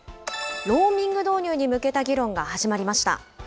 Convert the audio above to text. ローミング導入に向けた議論が始まりました。